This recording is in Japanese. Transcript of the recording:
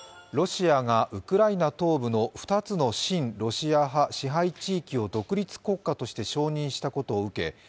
ロシアがウクライナ東部の２つの親ロシア派支配地域を独立国家として承認したことを受け